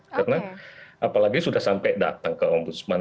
karena apalagi sudah sampai datang ke ombudsman